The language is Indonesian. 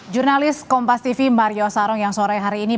jurnalis kompas tv mario sarong yang sore hari ini